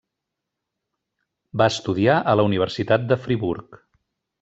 Va estudiar a la Universitat de Friburg.